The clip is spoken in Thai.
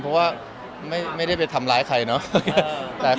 เพราะว่าไม่ได้ไปทำร้ายใครเนอะ